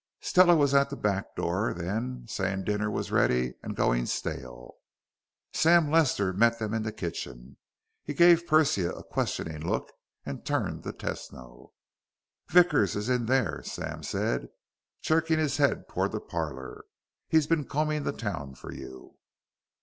Stella was at the back door then, saying dinner was ready and going stale. Sam Lester met them in the kitchen. He gave Persia a questioning look and turned to Tesno. "Vickers is in there," Sam said, jerking his head toward the parlor. "He's been combing the town for you.